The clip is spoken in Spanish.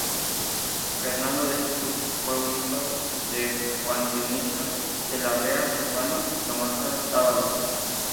Fernando de Jesús fue hijo de Juan Dionisio de Larrea Zurbano y Tomasa Dávalos.